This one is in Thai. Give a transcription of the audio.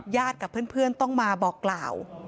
กับเพื่อนต้องมาบอกกล่าว